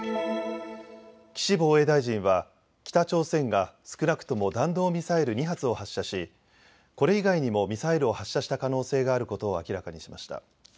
岸防衛大臣は北朝鮮が少なくとも弾道ミサイル２発を発射しこれ以外にもミサイルを発射した可能性があることを明らかにしました。